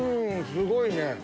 すごいね！